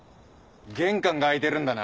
玄関が開いてるんだな？